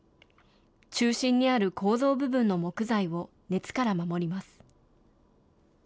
中心にある構造部分の木材を熱から守ります。